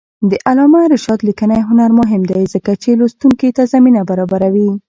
د علامه رشاد لیکنی هنر مهم دی ځکه چې لوستونکي ته زمینه برابروي.